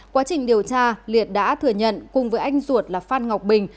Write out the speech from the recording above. quá trình điều tra liệt đã thừa nhận cùng với anh ruột là phan ngọc bình